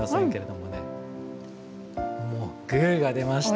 もうグーが出ました。